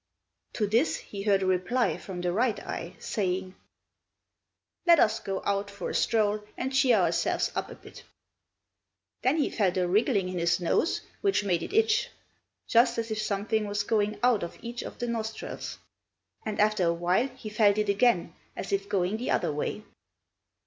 To this he heard a reply from the right eye, saying, "Let us go out for a stroll, and cheer ourselves up a bit." Then he felt a wriggling in his nose which made it itch, just as if something was going out of each of the nostrils; and after a while he felt it again as if going the other way.